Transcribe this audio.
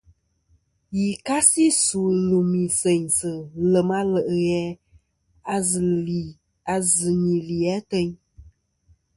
Yì kasi su lùmì seynsɨ lèm a le' ghè a zɨ nì li atayn.